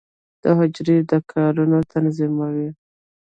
د حجره د کارونو تنظیموي.